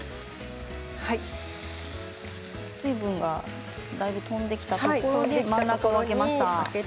水分がだいぶ飛んできたところで真ん中を空けました。